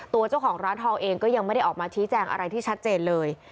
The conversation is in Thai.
ตัวเจ้าของร้านทองเองก็ยังไม่ได้ออกมาชี้แจงอะไรที่ชัดเจนเลย